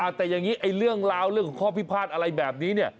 อาจแต่อย่างนี้เรื่องของข้อพิพลาศอะไรแบบนี้